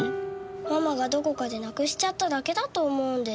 ママがどこかでなくしちゃっただけだと思うんです。